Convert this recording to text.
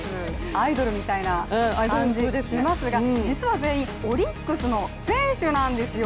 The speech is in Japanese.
アイドルみたいな感じもしますが実は全員オリックスの選手なんですよ。